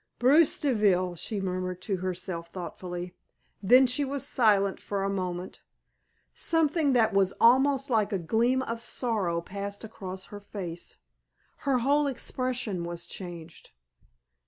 "Bruce Deville," she murmured to herself, thoughtfully. Then she was silent for a moment. Something that was almost like a gleam of sorrow passed across her face. Her whole expression was changed.